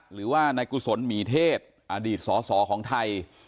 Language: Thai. หรือว่านายกุสนหมีเทพอดีตศรของไทย